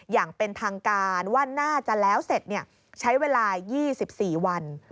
อย่างเป็นทางการว่าน่าจะแล้วเสร็จใช้เวลา๒๔วัน